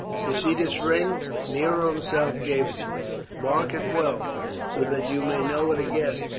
You see this ring; Nero himself gave it me; mark it well, so that you may know it again.